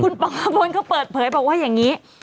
คุณปอบนเขาเปิดเผยบอกว่าอย่างนี้